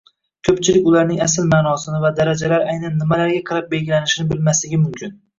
ko’pchilik ularning asl ma’nosini va darajalar aynan nimalarga qarab belgilanishini bilmasligi mumkin